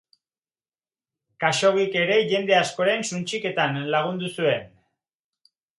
Khaxoggik ere jende askoren suntsiketan lagundu zuen.